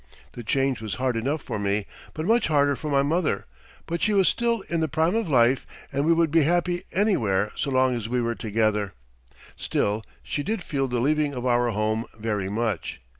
The change was hard enough for me, but much harder for my mother; but she was still in the prime of life and we could be happy anywhere so long as we were together. Still she did feel the leaving of our home very much.